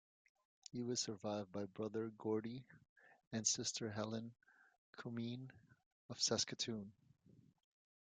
He was survived by brother Gordie and sister Helen Cummine of Saskatoon.